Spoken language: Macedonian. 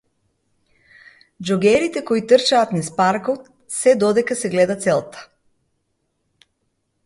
Џогерите кои трчаат низ паркот се додека се гледа целта.